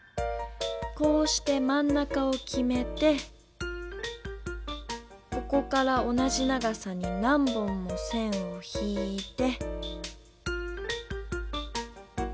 こうしてまん中をきめてここから同じ長さに何本も線を引いて。